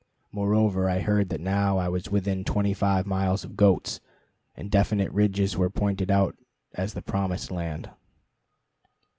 Moreover, I heard that now I was within twenty five miles of goats; and definite ridges were pointed out as the promised land.